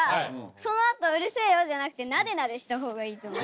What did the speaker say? そのあと「うるせえよ！」じゃなくてなでなでした方がいいと思う。